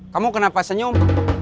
kamu kenapa senyum